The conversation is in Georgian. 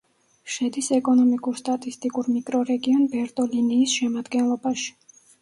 შედის ეკონომიკურ-სტატისტიკურ მიკრორეგიონ ბერტოლინიის შემადგენლობაში.